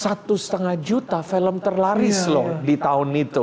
satu setengah juta film terlaris loh di tahun itu